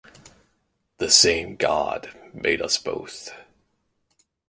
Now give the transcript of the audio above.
The same god made us both.